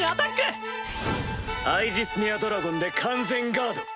アイジスメア・ドラゴンで完全ガード！